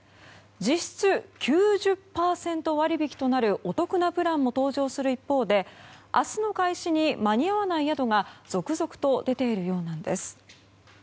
実質、９０％割り引きとなるお得なプランも登場する一方で明日の開始に間に合わない宿が続々と出ているようなんです。